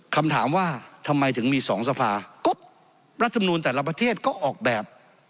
คำถามว่าทำไมถึงมีสองสภาก็รัฐมนูลแต่ละประเทศก็ออกแบบ